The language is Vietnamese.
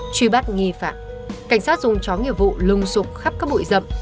truy bắt nghi phạm cảnh sát dùng chó nghiệp vụ lung sụp khắp các bụi rậm